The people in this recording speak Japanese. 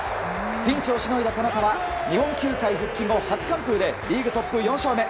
ピンチをしのいだ田中は日本球界復帰後初完封でリーグトップ４勝目。